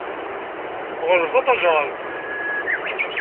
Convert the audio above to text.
Teɣleb tajṛadt.